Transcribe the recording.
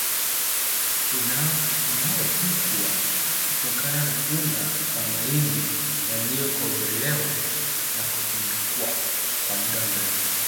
unaopikwa kutokana na unga wa mahindi yaliyokobolewa na kuvundikwa kwa muda mrefu